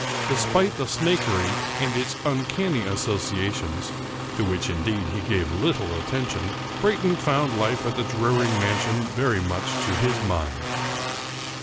Despite the Snakery and its uncanny associa tions — ^to which, indeed, he gave little attention — Brayton found life at the Druring mansion very much to his mind.